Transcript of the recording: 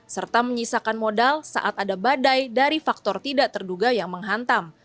serta menyisakan modal saat ada badai dari faktor tidak terduga yang menghantam